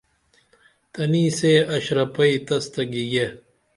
تنی سے اشرپئی تس تہ گیگے